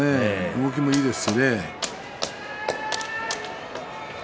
動きもいいですし。